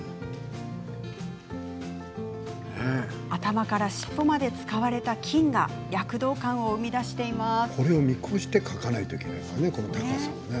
頭から尻尾まで使われた金が躍動感を生み出しています。